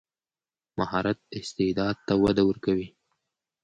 مهارت استعداد ته وده ورکوي.